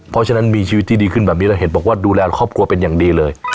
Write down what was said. เพราะฉะนั้นมีชีวิตที่ดีขึ้นแบบนี้แล้วเห็นบอกว่าดูแลครอบครัวเป็นอย่างดีเลย